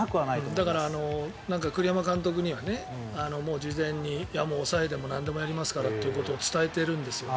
だから栗山監督にはもう事前に抑えでもなんでもやりますからということを伝えているんですよ。